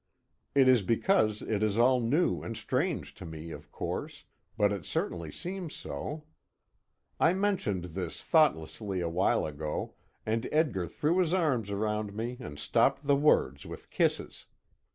It is because it is all new and strange to me, of course, but it certainly seems so. I mentioned this thoughtlessly a while ago, and Edgar threw his arms around me and stopped the words with kisses.